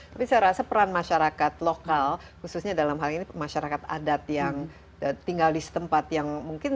tapi saya rasa peran masyarakat lokal khususnya dalam hal ini masyarakat adat yang tinggal di setempat yang mungkin